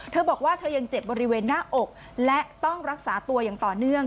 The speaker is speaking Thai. เธอบอกว่าเธอยังเจ็บบริเวณหน้าอกและต้องรักษาตัวอย่างต่อเนื่อง